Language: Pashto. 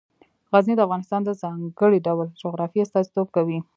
غزني د افغانستان د ځانګړي ډول جغرافیه استازیتوب کوي.